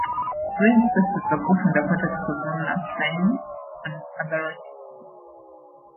Brin places the book in the context of Brunner's time and other writings.